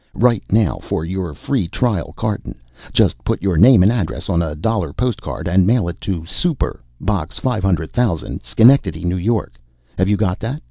"Write now for your free trial carton. Just put your name and address on a dollar postcard, and mail it to 'Super,' Box 500,000, Schenectady, N. Y. Have you got that?